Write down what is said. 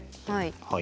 はい。